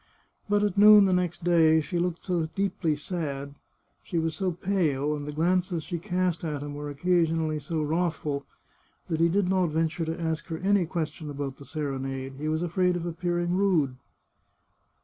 But at noon next day she looked so deeply sad, she was so pale, and the glances she cast at him were occasionally so wrath ful, that he did not venture to ask her any question about the serenade ; he was afraid of appearing rude.